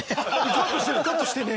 「カットしてね」！